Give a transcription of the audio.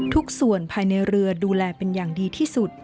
ทุกส่วนภายในเรือดูแลเป็นอย่างดีที่สุด